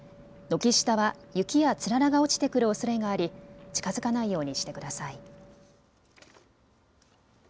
軒下は雪やつららが落ちてくるおそれがあり近づかないようにしてください。